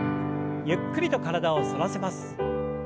ゆっくりと体を反らせます。